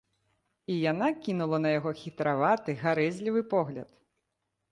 І яна кінула на яго хітраваты гарэзлівы погляд.